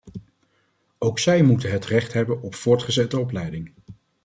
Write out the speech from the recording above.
Ook zij moeten het recht hebben op voortgezette opleiding.